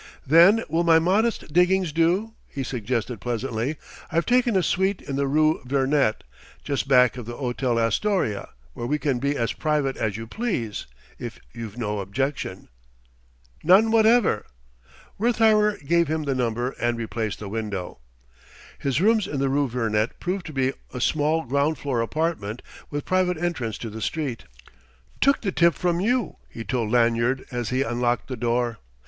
"Then will my modest diggings do?" he suggested pleasantly. "I've taken a suite in the rue Vernet, just back of the Hôtel Astoria, where we can be as private as you please, if you've no objection." "None whatever." Wertheimer gave him the number and replaced the window.... His rooms in the rue Vernet proved to be a small ground floor apartment with private entrance to the street. "Took the tip from you," he told Lanyard as he unlocked the door.